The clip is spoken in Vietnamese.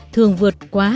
thường vượt quá